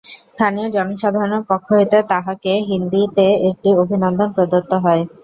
স্থানীয় জনসাধারণের পক্ষ হইতে তাঁহাকে হিন্দীতে একটি অভিনন্দন প্রদত্ত হয়।